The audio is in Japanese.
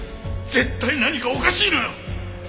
絶対何かおかしいのよ！